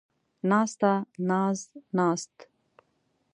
ناسته ، ناز ، ناست